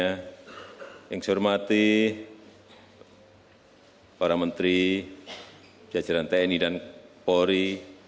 yang saya hormati para menteri jajaran tni dan polri